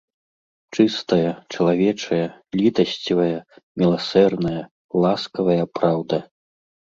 Чыстая, чалавечая, літасцівая, міласэрная, ласкавая праўда.